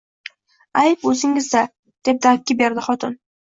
– Ayb o‘zingizda! – deb dakki berdi xotin